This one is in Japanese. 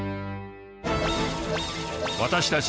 私たち